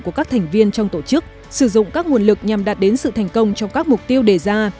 của các thành viên trong tổ chức sử dụng các nguồn lực nhằm đạt đến sự thành công trong các mục tiêu đề ra